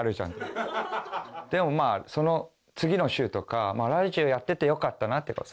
でもまあその次の週とかラジオやっててよかったなっていうか。